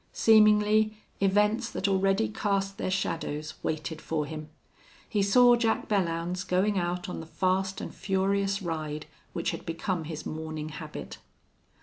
Seemingly, events that already cast their shadows waited for him. He saw Jack Belllounds going out on the fast and furious ride which had become his morning habit.